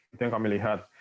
itu yang kami lihat